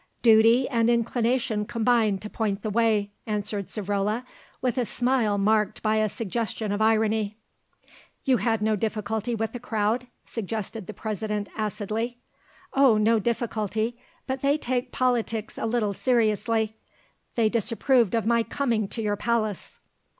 "Duty and inclination combined to point the way," answered Savrola with a smile marked by a suggestion of irony. "You had no difficulty with the crowd?" suggested the President acidly. "Oh, no difficulty, but they take politics a little seriously; they disapproved of my coming to your palace."